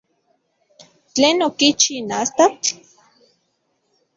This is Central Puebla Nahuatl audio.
¿Tlen okichi astatl?